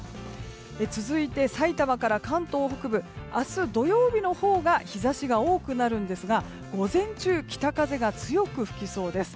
続いて、さいたまから関東北部明日土曜日のほうが日差しが多くなるんですが午前中北風が強く吹きそうです。